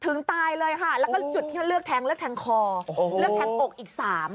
ถึงตายเลยค่ะแล้วก็เลือกแทงคอเลือกแทงปกอีก๓